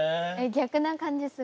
逆な感じする。